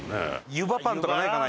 ゆばパンとかないかな？